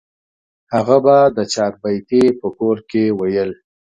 هغه به د چاربیتې په کور کې ویل.